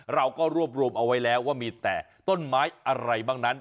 เราก็รวบรวมเอาไว้แล้วว่ามีแต่ต้นไม้อะไรบ้างนั้น